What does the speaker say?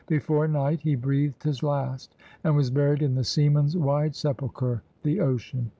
Before night he breathed his last, and was buried in the seaman's wide sepulchre, the Ocean.